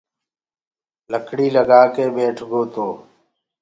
لڪڙيٚ لگآڪي ٻيٺَگو تو